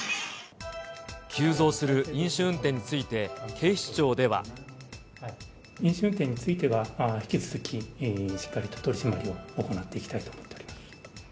急増する飲酒運転について、飲酒運転については、引き続きしっかりと取締りを行っていきたいと思っております。